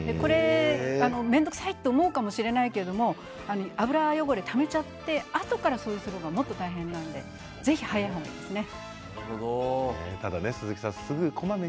面倒くさいと思うかもしれないけれども油汚れをためちゃってあとから掃除するのがもっと大変なのでただ鈴木さん